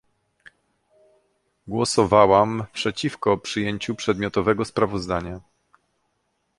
Głosowałam przeciwko przyjęciu przedmiotowego sprawozdania